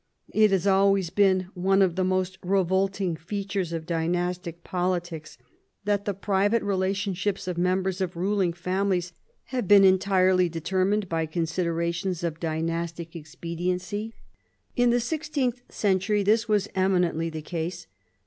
It has always been one of the most revolting features of dynastic politics that the private relationships of members of ruling families have been entirely deter mined by considerations of dynastic expediency. In the sixteenth century this was eminently the/ case.